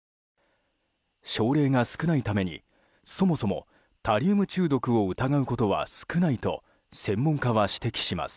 症例が少ないためにそもそもタリウム中毒を疑うことは少ないと専門家は指摘します。